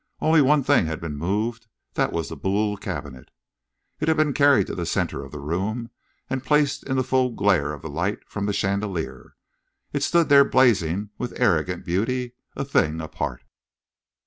Only one thing had been moved. That was the Boule cabinet. It had been carried to the centre of the room, and placed in the full glare of the light from the chandelier. It stood there blazing with arrogant beauty, a thing apart.